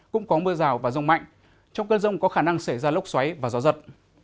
cũng có mưa rào và rông mạnh trong cơn rông có khả năng xảy ra lốc xoáy và gió giật